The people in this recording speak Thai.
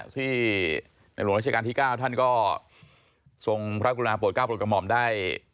ที่ในหลวงรัชการที่๙ท่านก็ส่งพระครูนาโปรด๙ปรุงกำมอบได้